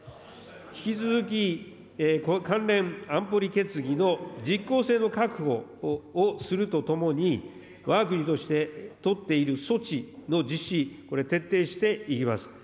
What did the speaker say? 引き続き関連安保理決議の実効性の確保をするとともに、わが国として取っている措置の実施、これ、徹底していきます。